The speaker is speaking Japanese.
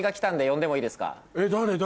誰？